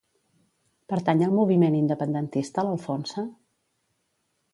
Pertany al moviment independentista l'Alfonsa?